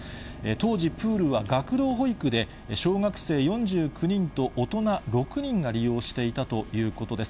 当時、プールは学童保育で小学生４９人と大人６人が利用していたということです。